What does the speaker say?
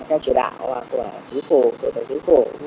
theo chỉ đạo của chính phủ tổ chức chính phủ